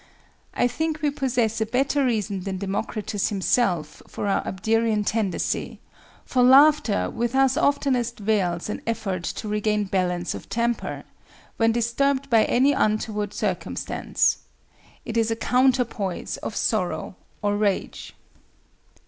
I think we possess a better reason than Democritus himself for our Abderian tendency; for laughter with us oftenest veils an effort to regain balance of temper, when disturbed by any untoward circumstance. It is a counterpoise of sorrow or rage.